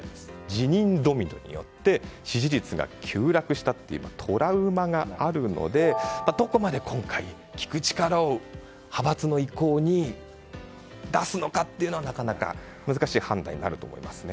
辞任ドミノによって支持率が急落したトラウマがあるのでどこまで今回、聞く力を派閥の意向に出すのかはなかなか難しい判断になると思います。